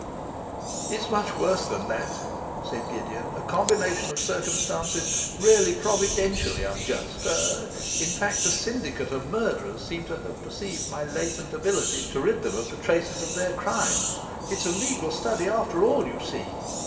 'It's much worse than that,' said Gideon; 'a combination of circumstances really providentially unjust a in fact, a syndicate of murderers seem to have perceived my latent ability to rid them of the traces of their crime. It's a legal study after all, you see!